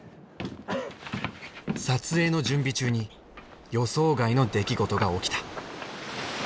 撮影の準備中に予想外の出来事が起きた。